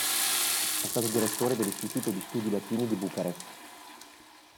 È stato direttore dell'Istituto di studi latini di Bucarest.